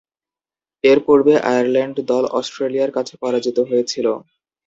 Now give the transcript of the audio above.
এরপূর্বে আয়ারল্যান্ড দল অস্ট্রেলিয়ার কাছে পরাজিত হয়েছিল।